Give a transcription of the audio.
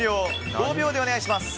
５秒でお願いします。